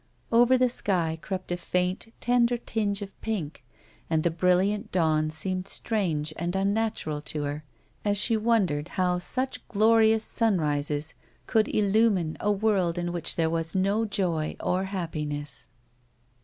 Over the sky crept a faint, tender tinge of pink, and the brilliant dawn seemed strange and unnatural to her, as she wondered how siich glorious sim rises could illumine a world in which there was no joy or happiness.